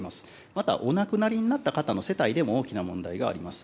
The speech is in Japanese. また、お亡くなりになった方の世帯でも大きな問題があります。